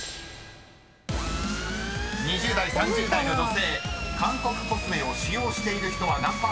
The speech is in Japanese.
［２０代３０代の女性韓国コスメを使用している人は何％か］